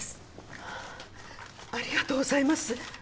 はぁありがとうございます。